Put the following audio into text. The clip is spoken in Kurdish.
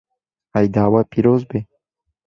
Eyda we pîroz be.